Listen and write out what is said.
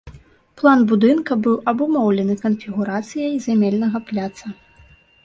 План будынка быў абумоўлены канфігурацыяй зямельнага пляца.